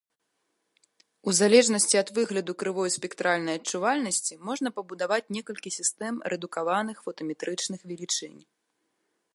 У залежнасці ад выгляду крывой спектральнай адчувальнасці можна пабудаваць некалькі сістэм рэдукаваных фотаметрычных велічынь.